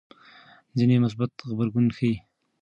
ځینې مثبت غبرګون ښيي.